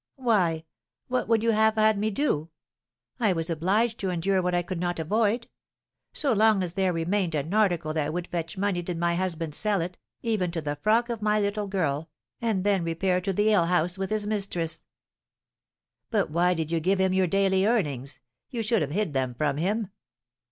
"Why, what would you have had me do? I was obliged to endure what I could not avoid. So long as there remained an article that would fetch money did my husband sell it, even to the frock of my little girl, and then repair to the alehouse with his mistress." "But why did you give him your daily earnings? you should have hid them from him."